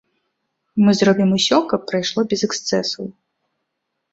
Мы зробім усё, каб прайшло без эксцэсаў.